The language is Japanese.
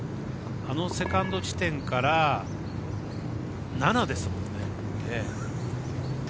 あのセカンド地点から７ですもんね。